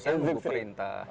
saya nunggu perintah